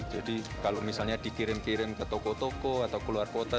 jadi kalau misalnya dikirim kirim ke toko toko atau keluar kota